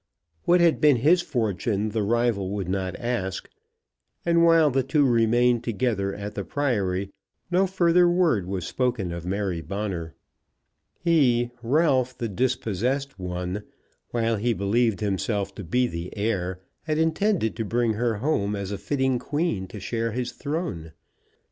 What had been his fortune the rival would not ask; and while the two remained together at the priory no further word was spoken of Mary Bonner. He, Ralph the dispossessed one, while he believed himself to be the heir, had intended to bring her home as a fitting queen to share his throne.